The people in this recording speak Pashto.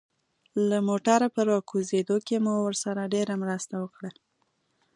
له موټره په راکوزېدو کې مو ورسره ډېره مرسته وکړه.